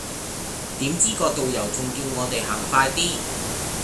點知個導遊仲叫我哋行快啲